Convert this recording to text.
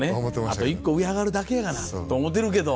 あと１個上上がるだけやがなと思ってるけど。